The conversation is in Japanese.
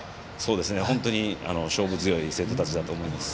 本当に勝負強い生徒たちだと思います。